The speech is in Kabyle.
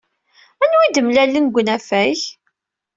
Anwa ay d-mlalen deg unafag?